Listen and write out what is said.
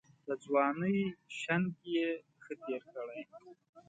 د ځوانۍ شنګ یې ښه تېر کړی.